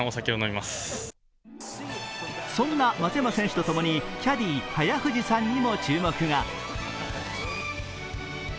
そんな松山選手とともに、キャディー・早藤さんも話題に。